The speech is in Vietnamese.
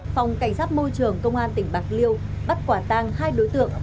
phòng cảnh sát môi trường công an tỉnh bạc liêu bắt quả tang hai đối tượng